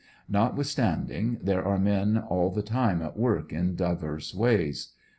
Notwithstanding, there are men a 1 the time at work in divers ways.